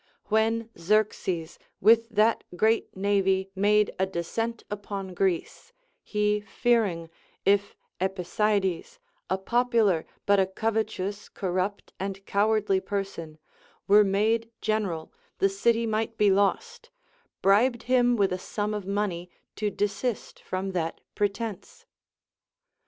When Xerxes with that great navy made a descent upon Greece, he fearing, if Epicydes (a popular, but a covetous, corrupt, and cowardly person) were made general, the city might be lost, bribed him with a sum of money to desist from that pretence.